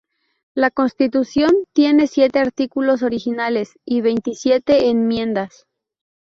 La Constitución tiene siete artículos originales, y veintisiete enmiendas.